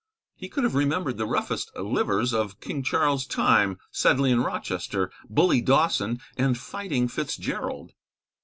He could have remembered the roughest livers of King Charles' time, Sedley and Rochester, Bully Dawson and Fighting Fitzgerald.